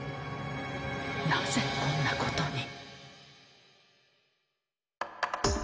なぜこんなことに。